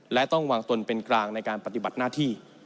และต้องวางตนเป็นกลางในการปฏิบัติหน้าที่